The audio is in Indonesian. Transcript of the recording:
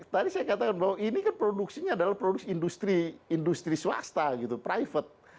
tadi saya katakan bahwa ini kan produksinya adalah produk industri swasta gitu private